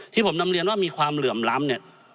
ที่ผมนำเรียนว่ามีความเหลื่อมล้ำเนี่ย